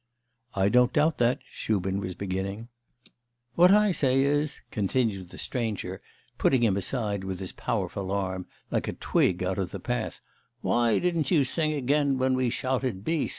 'I don't doubt that ' Shubin was beginning. 'What I say is,' continued the stranger, putting him aside with his powerful arm, like a twig out of the path 'why didn't you sing again when we shouted bis?